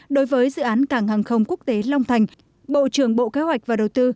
đối với dự án cảng hàng không quốc tế long thành bộ trưởng bộ kế hoạch và đầu tư